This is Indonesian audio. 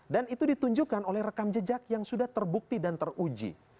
dan itu ditunjukkan oleh rekam jejak yang sudah terbukti dan teruji